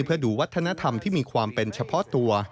เพื่อดูวัฒนธรรมที่มีความเป็นเฉพาะตัว